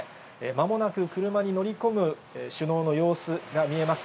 まもなく車に乗り込む首脳の様子が見えます。